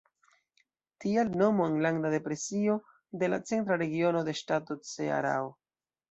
Tial nomo "Enlanda Depresio" de la centra regiono de ŝtato Cearao.